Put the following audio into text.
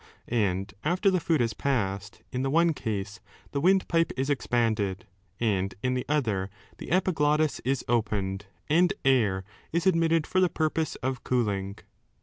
And after the food has passed, in the one case the windpipe is expanded, and in the other the epiglottis is opened, and air is admitted for the purpose of cooling.